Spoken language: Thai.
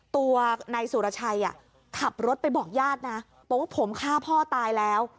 ตัวนายสุรชัยขับรถไปบอกญาตินะบอกว่าผมฆ่าพ่อตายแล้ว